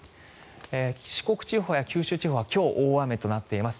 四国地方や九州地方は今日、大雨となっています。